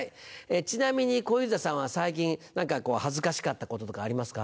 ちなみに小遊三さんは最近何か恥ずかしかったこととかありますか？